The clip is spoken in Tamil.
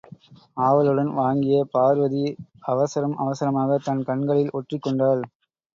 ஆவலுடன் வாங்கிய பார்வதி, அவசரம் அவசரமாகத் தன் கண்களில் ஒற்றிக் கொண்டாள்.